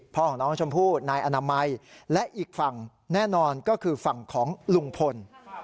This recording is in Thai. ของน้องชมพู่นายอนามัยและอีกฝั่งแน่นอนก็คือฝั่งของลุงพล